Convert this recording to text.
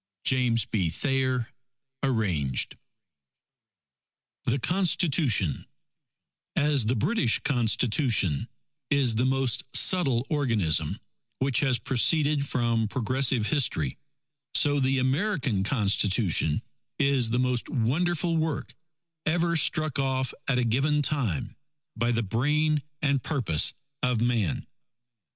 James B. Thayer (Arranged) THE CONSTITUTION _As the British Constitution is the most subtile organism, which has proceeded from progressive history; so the American Constitution is the most wonderful work ever struck off at a given time, by the brain and purpose of man.